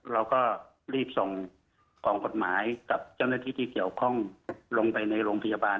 เราก็รีบส่งกองกฎหมายกับเจ้าหน้าที่ที่เกี่ยวข้องลงไปในโรงพยาบาล